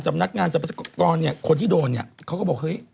สำนักงานสรรพัสกรคนเนี่ยคนที่โดนเขาก็บอกเฮ้ย